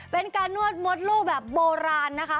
เป็นการนวดมดลูกแบบโบราณนะคะ